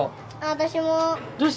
私も！